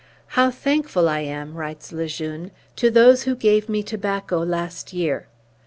"How thankful I am," writes Le Jeune, "to those who gave me tobacco last year!